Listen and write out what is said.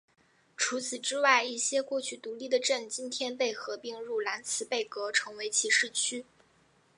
除此之外一些过去独立的镇今天被合并入兰茨贝格成为其市区。